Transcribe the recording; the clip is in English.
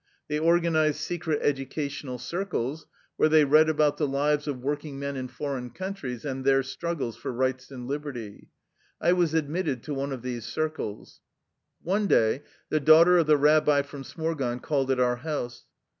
They organized secret educational circles, where they read about the lives of working men in foreign countries and their struggles for rights and liberty. I was admitted to one of these circles. One day the daughter of the rabbi from Smor gon called at our house.